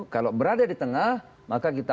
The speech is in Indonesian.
kalau berada di tengah maka kita